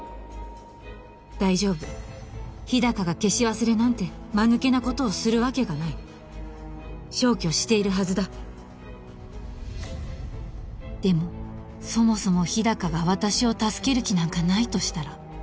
大丈夫日高が消し忘れなんてまぬけなことをするわけがない消去しているはずだでもそもそも日高が私を助ける気なんかないとしたら？